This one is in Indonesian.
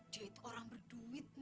dia itu orang berduit